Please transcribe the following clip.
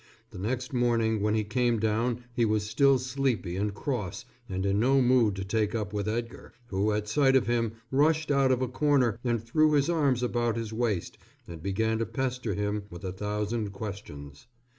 The next morning when he came down he was still sleepy and cross and in no mood to take up with Edgar, who at sight of him rushed out of a corner and threw his arms about his waist and began to pester him with a thousand questions.